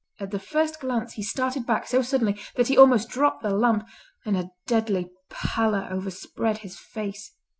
At the first glance he started back so suddenly that he almost dropped the lamp, and a deadly pallor overspread his face.